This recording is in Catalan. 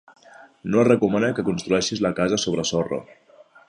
No es recomana que construeixis la casa sobre sorra.